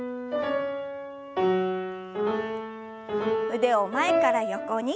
腕を前から横に。